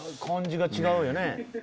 感じが違うよね。